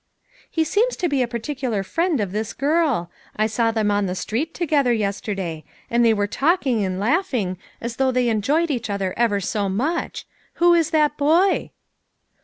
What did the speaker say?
" He seems to be a particular friend of this girl ; I saw them on the street together yester day, and they were talking and laughing, as though they enjoyed each other ever so much. Who is that boy?"